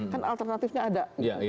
kan alternatifnya ada